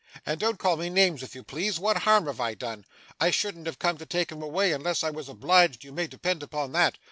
And don't call me names if you please; what harm have I done? I shouldn't have come to take 'em away, unless I was obliged, you may depend upon that.